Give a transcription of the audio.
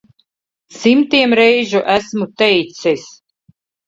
Simtiem reižu esmu teicis.